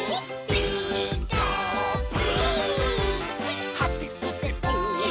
「ピーカーブ！」